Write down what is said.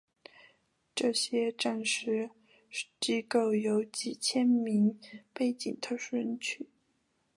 这些战时机构有几千名背景特殊的人。